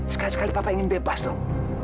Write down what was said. sekali sekali papa ingin bebas dong